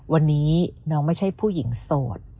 วันนี้น้องไม่ใช่ผู้หญิงโสด